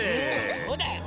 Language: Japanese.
そうだよ。